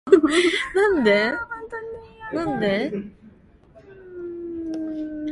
가만히 그대로 내버려두면 얼마든지 더 지껄일 형세다.